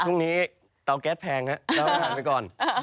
พรุ่งนี้เตาแก๊สแพงนะต้องเอาฐานไปก่อน